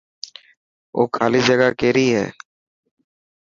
او خالي جگا ڪيري هي.